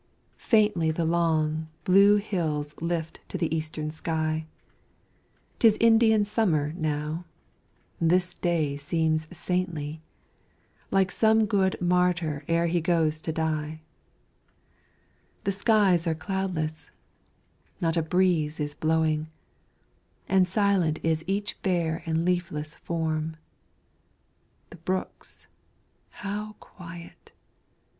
Faintly The long, blue hills lift to the eastern sky; 'Tis Indian summer now this day seems saintly, Like some good martyr e'er he goes to die; The skies are cloudless; not a breeze is blowing, And silent is each bare and leafless form; The brooks how quiet!